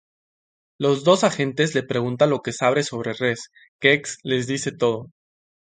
Los dos agentes le pregunta lo que sabe sobre Rez, Gex les dice todo.